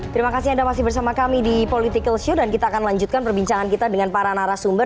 terima kasih anda masih bersama kami di political show dan kita akan lanjutkan perbincangan kita dengan para narasumber